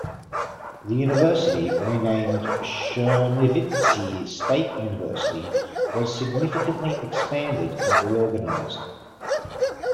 The university, renamed "Chernivtsi State University", was significantly expanded and reorganized.